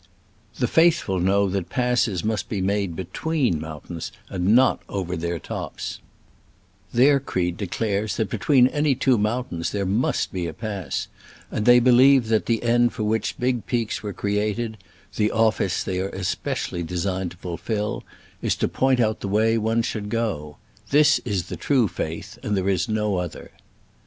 The faithful know that passes must be made between mountains, and not over their tops. Their creed declares that between any two mountains there must be a pass, and they believe that Digitized by Google 134 SCRAMBLES AMONGST THE ALPS IN i86o '69. the end for which big peaks were created — ^the office they are especially designed to fulfill — is to point out the way one should go. This is the true faith, and there is no other.